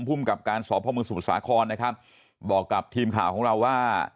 ภูมิกับการสอบพ่อเมืองสมุทรสาครนะครับบอกกับทีมข่าวของเราว่า